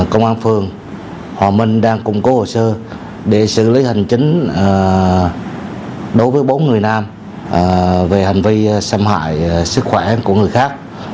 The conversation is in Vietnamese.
công an phường hòa minh đang củng cố hồ sơ để xử lý hành chính đối với bốn người nam về hành vi xâm hại sức khỏe của người khác